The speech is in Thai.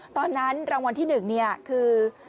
ตอนนั้นรางวัลที่หนึ่งคือ